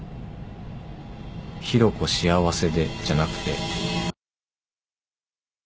「紘子幸せで」じゃなくて。